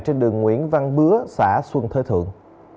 trên đường nguyễn văn bứa xã xuân thế thượng